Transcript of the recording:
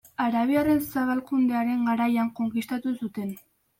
Arabiarren zabalkundearen garaian konkistatu zuten.